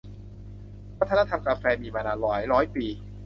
วัฒนธรรมกาแฟ มีมานานหลายร้อยปี